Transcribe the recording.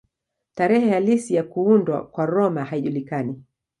Tarehe halisi ya kuundwa kwa Roma haijulikani.